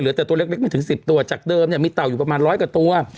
เหลือแต่ตัวเล็กไม่ถึง๑๐ตัวจากเดิมเนี่ยมีเต่าอยู่ประมาณร้อยกว่าตัว